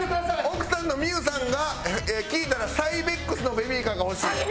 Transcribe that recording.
奥さんの名結さんが聞いたらＣＹＢＥＸのベビーカーが欲しいと。